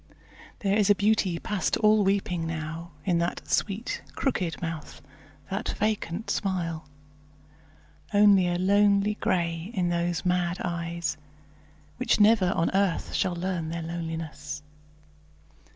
There is a beauty past all weeping now In that sweet, crooked mouth, that vacant smile; Only a lonely grey in those mad eyes, Which never on earth shall learn their loneliness.